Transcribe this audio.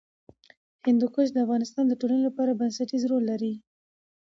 هندوکش د افغانستان د ټولنې لپاره بنسټيز رول لري.